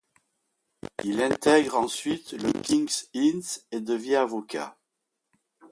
Il intègre ensuite le King's Inns et devient avocat.